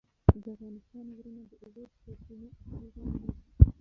د افغانستان غرونه د اوبو د سرچینو اصلي ځایونه دي.